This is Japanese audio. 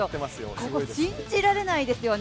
ここ信じられないですよね。